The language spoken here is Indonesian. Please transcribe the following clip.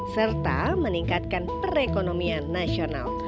serta meningkatkan perekonomian nasional